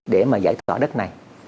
để mà giải tỏa đất này